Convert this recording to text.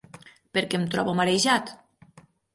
Per què em trobo marejat?